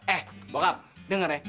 eh bokap denger ya